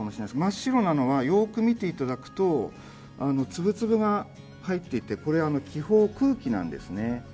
真っ白なのはよく見て頂くとつぶつぶが入っていてこれ気泡空気なんですね。